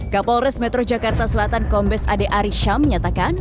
kapolres metro jakarta selatan kombes ade arisha menyatakan